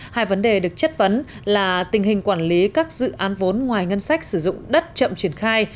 hai vấn đề được chất vấn là tình hình quản lý các dự án vốn ngoài ngân sách sử dụng đất chậm triển khai